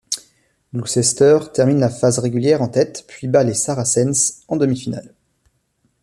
Gloucester termine la phase régulière en tête puis bat les Saracens en demi-finale.